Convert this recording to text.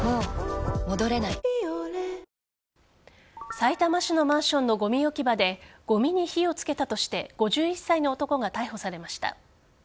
さいたま市のマンションのごみ置き場でごみに火をつけたとして５１歳の男が逮捕されました。